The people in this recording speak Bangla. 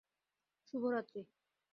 শুভ রাত্রি।